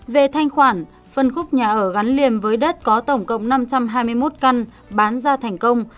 về thanh khoản phân khúc nhà ở gắn liềm với đất có tổng cộng năm trăm hai mươi một căn bán ra thành công